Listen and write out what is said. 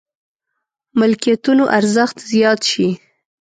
ملکيتونو ارزښت زيات شي.